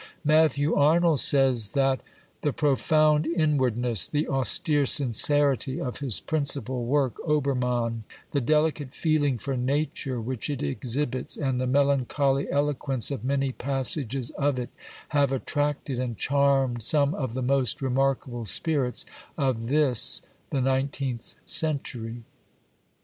Matthew Arnold says that "The profound inwardness, the austere sincerity, of his principal work, Obermann, the delicate feeling for Nature which it exhibits, and the melancholy eloquence of many passages of it, have attracted and charmed some of the most remarkable spirits of this (the nineteenth) century.